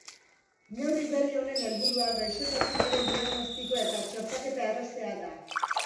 Neurri berri honen helburua gaixotasunaren diagnostikoa eta txertaketa erraztea da.